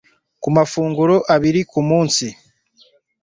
Ya mafunguro abiri ku munsi